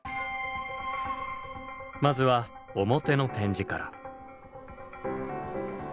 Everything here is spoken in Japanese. まずは表の展示から。